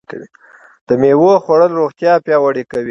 د مېوو خوړل روغتیا پیاوړې کوي.